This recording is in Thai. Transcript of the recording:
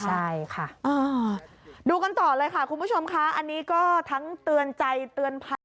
ใช่ค่ะดูกันต่อเลยค่ะคุณผู้ชมค่ะอันนี้ก็ทั้งเตือนใจเตือนภัย